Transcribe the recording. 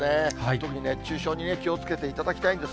特に熱中症に気をつけていただきたいんです。